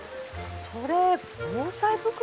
それ防災袋？